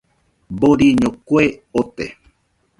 Doriño kue ote.